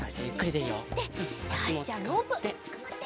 よしじゃあロープつかまって！